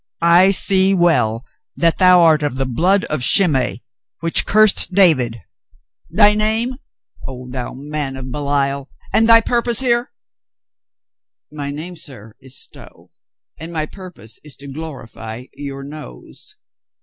"I see well that thou art of the blood of Shimei which cursed David. Thy name, oh thou man of Belial, and thy purpose here?" "My name, sir, is Stow, and my purpose is to glorify your nose.